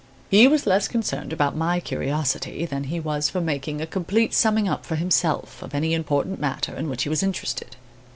He was less concerned about my curiosity than he was for making a complete summing up for himself of any important matter in which he was interested.